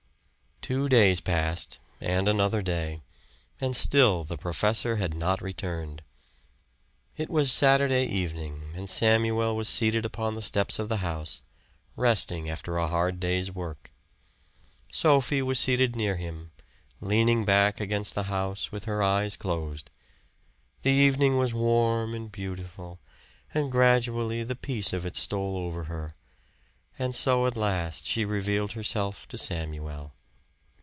Two days passed, and another day, and still the professor had not returned. It was Saturday evening and Samuel was seated upon the steps of the house, resting after a hard day's work. Sophie was seated near him, leaning back against the house with her eyes closed. The evening was warm and beautiful, and gradually the peace of it stole over her. And so at last she revealed herself to Samuel.